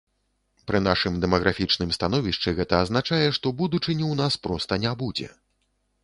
Пры нашым дэмаграфічным становішчы гэта азначае, што будучыні ў нас проста не будзе.